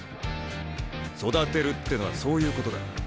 育てるってのはそういうことだ。